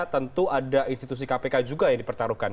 tentu ada institusi kpk juga yang dipertaruhkan